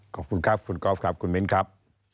ขอบคุณครับคุณกอล์ฟครับคุณมิ้นครับ